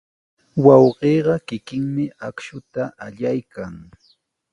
Wawqiiqa kikinmi akshuta allaykan.